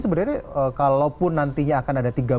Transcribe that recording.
sebenarnya kalau pun nantinya akan ada tiga bulan